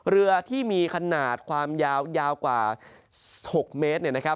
เรือที่มีขนาดความยาวกว่า๖เมตร